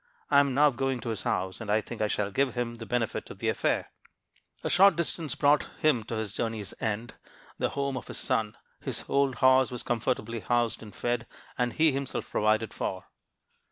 I am now going to his house, and I think I shall give him the benefit of the affair.' "A short distance brought him to his journey's end, the home of his son. His old horse was comfortably housed and fed, and he himself provided for.